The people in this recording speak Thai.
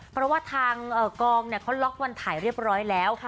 เพราะว่าทางกองเขาล็อกวันถ่ายเรียบร้อยแล้ว